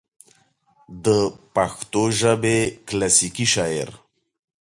دَپښتو ژبې کلاسيکي شاعر